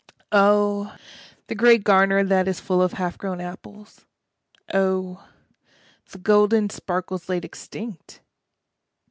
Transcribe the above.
Oh, the grey garner that is full of half grown apples, Oh, the golden sparkles laid extinct